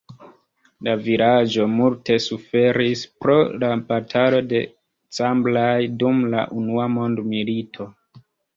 La vilaĝo multe suferis pro la batalo de Cambrai dum la Unua mondmilito.